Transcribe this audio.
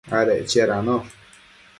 adec chiadanosh